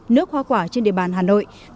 nước hoa quả trên địa bàn hà nội